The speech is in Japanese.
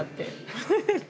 フフフッ。